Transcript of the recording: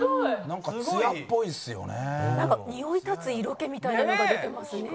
なんかにおい立つ色気みたいなのが出てますね。